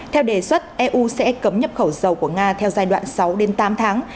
theo đề xuất eu sẽ cấm nhập khẩu dầu của nga theo giai đoạn sáu tám tháng